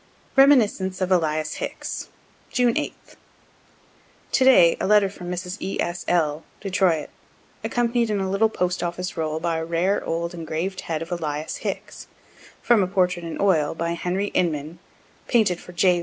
REMINISCENCE OF ELIAS HICKS June 8. To day a letter from Mrs. E. S. L., Detroit, accompanied in a little post office roll by a rare old engraved head of Elias Hicks, (from a portrait in oil by Henry Inman, painted for J.